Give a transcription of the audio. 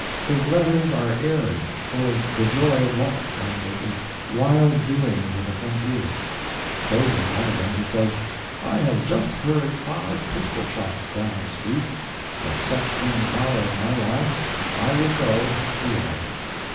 His letters are airy, full of the joy of life and of the wild doings of the frontier. Closing one of them, he says: "I have just heard five pistolshots down the street. As such things are in my line, I will go and see about it."